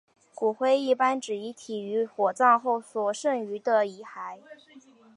骨灰一般指遗体于火葬后所剩余的遗骸。